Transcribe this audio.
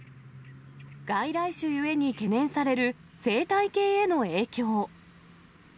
外来種ゆえに懸念される、生態系への影響。